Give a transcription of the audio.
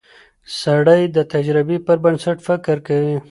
سړی د تجربې پر بنسټ فکر کوي